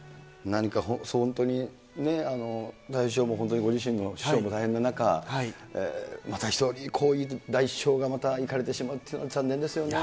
何か本当にね、たい平師匠も、ご自身の師匠も大変な中、また一人、こういう大師匠がまた逝かれてしまうというのは、残念ですよね。